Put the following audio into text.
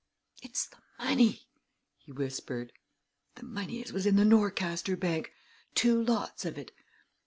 "It's the money!" he whispered. "The money as was in the Norcaster Bank two lots of it.